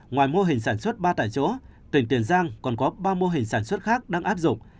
ngoài mô hình sản xuất ba tại chỗ tỉnh tiền giang còn có ba mô hình sản xuất khác đang áp dụng